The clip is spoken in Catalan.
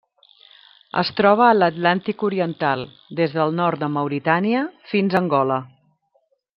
Es troba a l'Atlàntic oriental: des del nord de Mauritània fins a Angola.